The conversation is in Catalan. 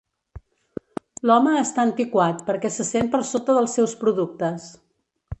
L'home està antiquat perquè se sent per sota dels seus productes.